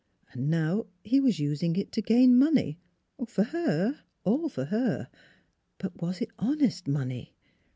And now he was using it to gain money for her; all for her. But was it honest money?